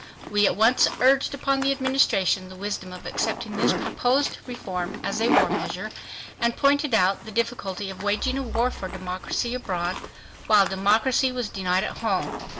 We at once urged upon the Administration the wisdom of accepting this proposed reform as a war measure, and pointed out the difficulty of waging a war for democracy abroad while democracy was denied at home.